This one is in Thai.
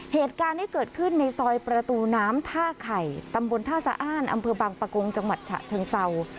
เหตุการณ์ที่เกิดขึ้นในซอยประตูน้ำท่าไข่ตำบลท่าสะอ้านอำเภอบางปะกงจังหวัดฉะเชิงเศร้า